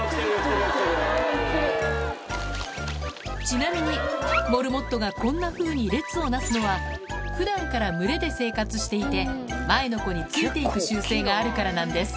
ちなみにモルモットがこんなふうに列を成すのは普段から群れで生活していて前の子について行く習性があるからなんです